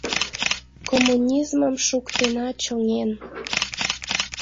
Коммунизмым шуктена чоҥен.